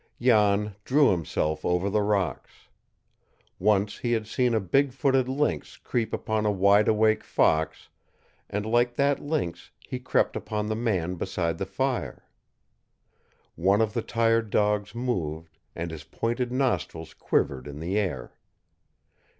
Jan drew himself over the rocks. Once he had seen a big footed lynx creep upon a wide awake fox, and like that lynx he crept upon the man beside the fire. One of the tired dogs moved, and his pointed nostrils quivered in the air.